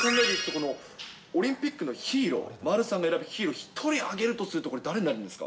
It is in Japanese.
オリンピックのヒーロー、丸さんが選ぶヒーローを１人挙げるとすると、誰になるんですか。